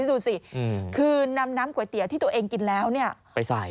ส๑๙๗๓น้ำก๋วยเตี๋ยวที่ตัวเองกินแล้วเนี่ย